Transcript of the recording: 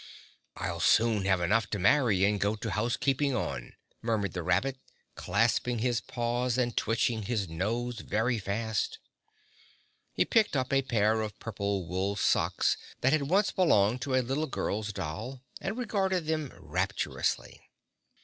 "I'll soon have enough to marry and go to house keeping on," murmured the rabbit, clasping his paws and twitching his nose very fast. He picked up a pair of purple wool socks that had once belonged to a little girl's doll and regarded them rapturously.